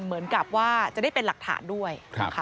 เหมือนกับว่าจะได้เป็นหลักฐานด้วย